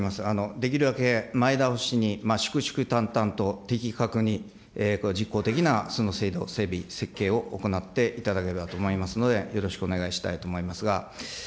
できるだけ前倒しに、粛々淡々と的確にこれは実効的なその制度の整備、設計を行っていただければと思いますので、よろしくお願いしたいと思いますが。